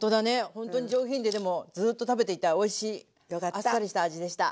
ほんとに上品ででもずっと食べていたいおいしいあっさりした味でした。